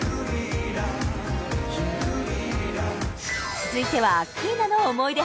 続いてはアッキーナの思い出